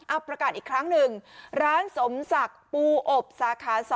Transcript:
อาบประกันอีกครั้งหนึ่งร้านสมสัตว์ปู่อบสาขา๒